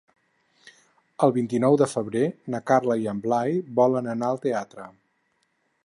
El vint-i-nou de febrer na Carla i en Blai volen anar al teatre.